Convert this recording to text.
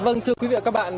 vâng thưa quý vị và các bạn